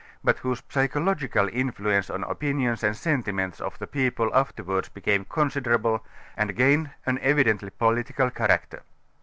but whose psychological influenc├®e on opinions and sentiments of the ])eople afterwards becanu' considerable and gained an t'vidcntly political character.